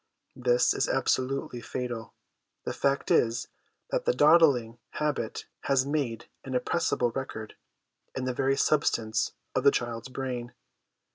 This is absolutely fatal. The fact is, that the dawdling habit has made an appreciable record in the very substance of the child's brain.